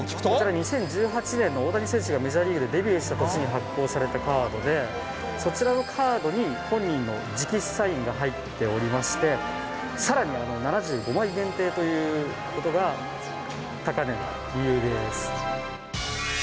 ２０１８年に大谷選手がメジャーリーグデビューした年に発行されたカードで、そちらのカードに本人の直筆サインが入っておりまして、さらに７５枚限定ということが、高値の理由です。